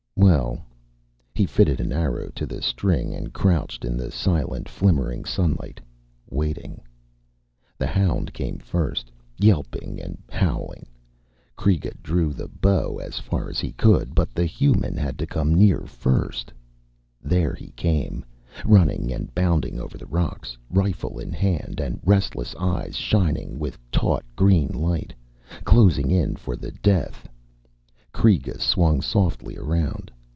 Well he fitted an arrow to the string and crouched in the silent, flimmering sunlight, waiting. The hound came first, yelping and howling. Kreega drew the bow as far as he could. But the human had to come near first There he came, running and bounding over the rocks, rifle in hand and restless eyes shining with taut green light, closing in for the death. Kreega swung softly around.